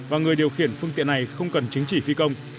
và người điều khiển phương tiện này không cần chứng chỉ phi công